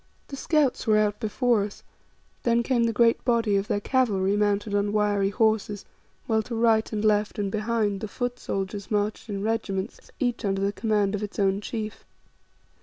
The scouts were out before us, then came the great body of their cavalry mounted on wiry horses, while to right and left and behind, the foot soldiers marched in regiments, each under the command of its own chief.